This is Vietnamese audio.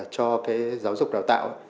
cho giáo dục đào tạo